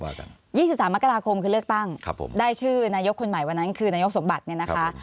๒๓อักษราคมคือเลือกตั้งได้ชื่อนายกคนใหม่วันนั้นคือนายกสมบัติ